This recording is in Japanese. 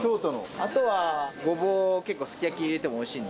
あとはゴボウ、結構すき焼きに入れてもおいしいんで。